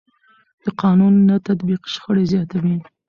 د قانون نه تطبیق شخړې زیاتوي